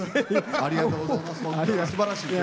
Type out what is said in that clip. ありがとうございます。